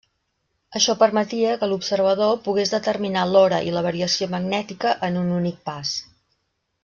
Això permetia que l'observador pogués determinar l'hora i la variació magnètica en un únic pas.